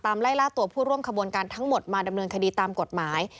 ไล่ล่าตัวผู้ร่วมขบวนการทั้งหมดมาดำเนินคดีตามกฎหมาย